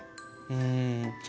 うん。